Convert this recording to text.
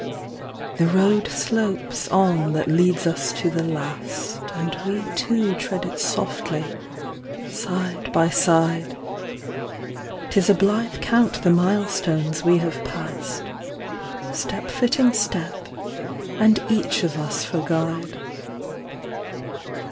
The road slopes on that leads us to the last, And we two tread it softly, side by side ; Tis a blithe count the milestones we have passed, Step fitting step, and each of us for guide.